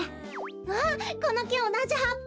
わっこのきおなじはっぱ。